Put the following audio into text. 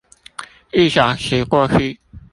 一小時過去